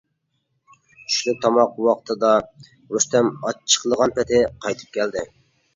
چۈشلۈك تاماق ۋاقتىدا رۇستەم ئاچچىقلىغان پېتى قايتىپ كەلدى.